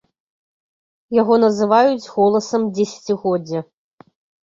Яго называюць голасам дзесяцігоддзя.